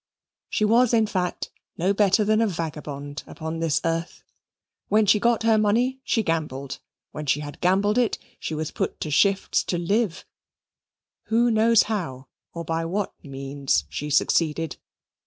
She was, in fact, no better than a vagabond upon this earth. When she got her money she gambled; when she had gambled it she was put to shifts to live; who knows how or by what means she succeeded?